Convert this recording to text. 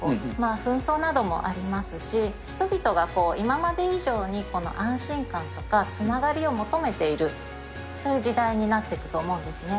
紛争などもありますし、人々が今まで以上に安心感とか、つながりを求めている、そういう時代になっていくと思うんですね。